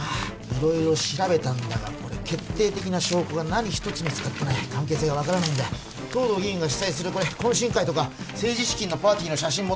色々調べたんだが決定的な証拠が何一つ見つかってない関係性が分からない藤堂議員が主催する懇親会とか政治資金のパーティーの写真